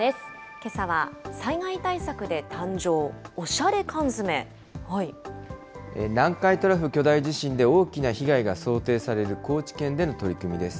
けさは、災害対策で誕生、おしゃ南海トラフ巨大地震で大きな被害が想定される高知県での取り組みです。